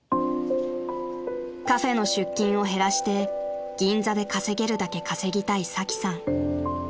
［カフェの出勤を減らして銀座で稼げるだけ稼ぎたいサキさん］